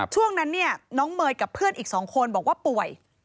ช่วงนั้นเนี่ยน้องเมย์กับเพื่อนอีก๒คนบอกว่าป่วย